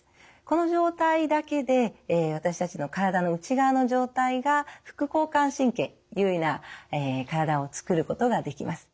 この状態だけで私たちの体の内側の状態が副交感神経優位な体を作ることができます。